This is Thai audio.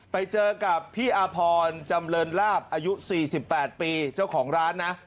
ไปเจอกับพี่อาพรจำเรินลาบอายุ๔๘ปีเจ้าของร้านนะ